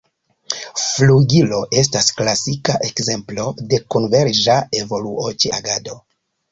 Flugilo estas klasika ekzemplo de konverĝa evoluo ĉe agado.